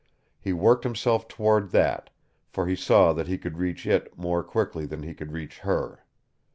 He worked himself toward that, for he saw that he could reach it more quickly than he could reach her.